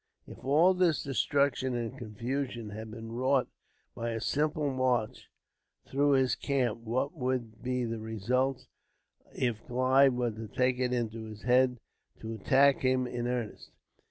If all this destruction and confusion had been wrought by a simple march through his camp, what would be the result if Clive were to take into his head to attack him in earnest?